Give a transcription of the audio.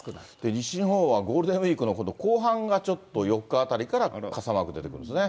西日本はゴールデンウィークの今度、後半がちょっと４日あたりから傘マーク出てくるんですね。